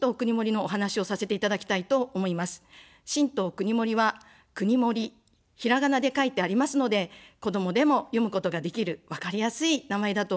新党くにもりは、くにもり、ひらがなで書いてありますので、子どもでも読むことができる分かりやすい名前だと思います。